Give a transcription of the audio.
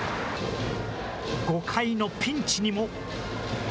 ５回のピンチにも。